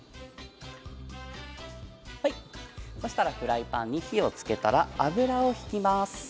そうしたらフライパンに火をつけたら油を引きます。